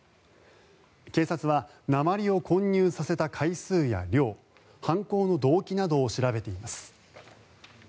警察は鉛を混入させた回数や量犯行の動機などを調べています。